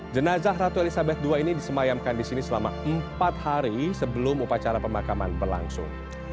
jenazah ratu elizabeth ii ini disemayamkan di sini selama empat hari sebelum upacara pemakaman berlangsung